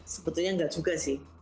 sebetulnya nggak juga sih